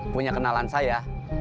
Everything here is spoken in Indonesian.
punya kenalan saya